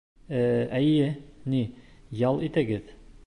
Ә, эйе, ни, ял итегеҙ.